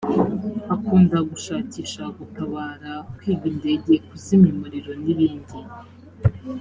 akunda gushakisha gutabara kwiga indege kuzimya umuriro n’ibindi